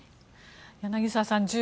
柳澤さん